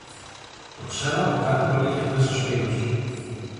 Το ξέρω από κάτι που έλεγε χθες ο Σπύρος